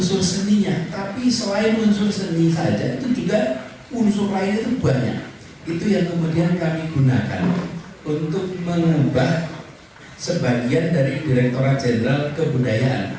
untuk seni saja itu juga unsur lainnya itu banyak itu yang kemudian kami gunakan untuk mengubah sebagian dari direkturat jenderal kebudayaan